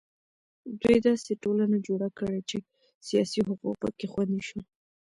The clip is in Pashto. دوی داسې ټولنه جوړه کړه چې سیاسي حقوق په کې خوندي شول.